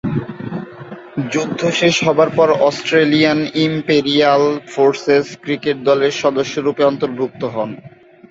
যুদ্ধ শেষ হবার পর অস্ট্রেলিয়ান ইম্পেরিয়াল ফোর্সেস ক্রিকেট দলের সদস্যরূপে অন্তর্ভুক্ত হন।